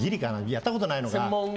やったことないのが。